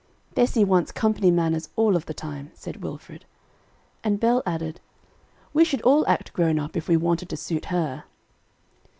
"Bessie wants company manners all of the time," said Wilfred. And Bell added: "We should all act grown up, if we wanted to suit her."